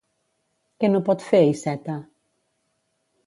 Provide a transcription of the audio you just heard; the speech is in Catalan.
Què no pot fer Iceta?